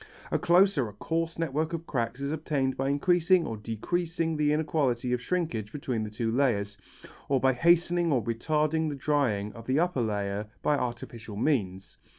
A close or a coarse network of cracks is obtained by increasing or decreasing the inequality of shrinkage between the two layers, or by hastening or retarding the drying of the upper layer by artificial means.